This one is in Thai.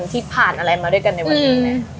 ที่ผ่านอะไรมาด้วยกันในวันนี้ไหม